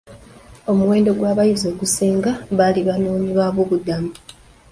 Omuwendo gw'abayizi ogusinga baali banoonyi ba bubudamu.